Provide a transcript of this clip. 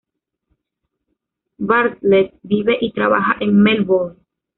Bartlett vive y trabaja en Melbourne.